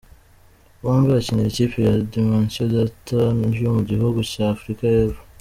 Bombi bakinira ikipe ya Dimension Data yo mu gihugu cya Afurika y'Epfo.